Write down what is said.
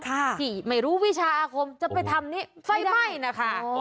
ที่ไม่รู้วิชาอาคมจะไปทำนี้ไฟไหม้นะคะ